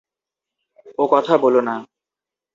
ও কথা বোলো না।